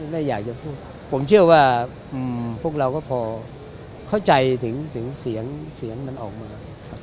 ไม่อยากจะพูดผมเชื่อว่าพวกเราก็พอเข้าใจถึงเสียงมันออกมา